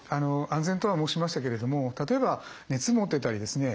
安全とは申しましたけれども例えば熱もってたりですね